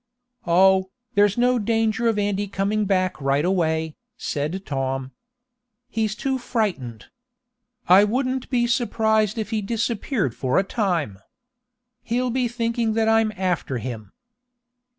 "Oh, there's no danger of Andy coming back right away," said Tom. "He's too frightened. I wouldn't be surprised if he disappeared for a time. He'll be thinking that I'm after him."